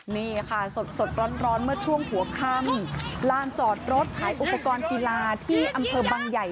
นี่ค่ะสดร้อนเมื่อช่วงหัวค่ำลานจอดรถขายอุปกรณ์กีฬาที่อำเภอบังใหญ่